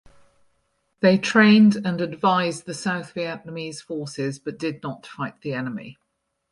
They trained and advised the South Vietnamese forces but did not fight the enemy.